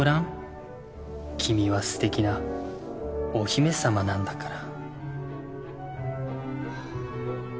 君はすてきなお姫さまなんだから